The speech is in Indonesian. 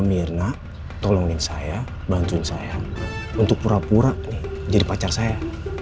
mirna tolongin saya bantuin saya untuk pura pura nih jadi pacar saya